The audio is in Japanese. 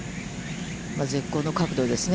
絶好の角度ですね。